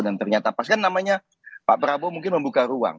dan ternyata pas kan namanya pak prabowo mungkin membuka ruang